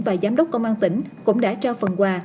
và giám đốc công an tỉnh cũng đã trao phần quà